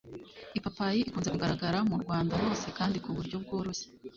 ipapayi ikunze kugaragara mu Rwanda hose kandi ku buryo bworoshye